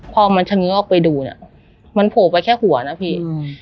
พอมันเฉง้อออกไปดูเนี่ยมันโผล่ไปแค่หัวนะพี่